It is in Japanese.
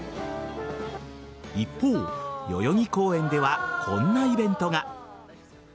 一方、代々木公園ではこんなイベントが。